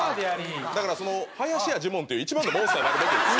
だから林家ジモンっていう一番のモンスターになるべきです。